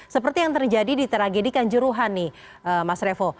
seperti yang terjadi di tragedi kanjuruhan nih mas revo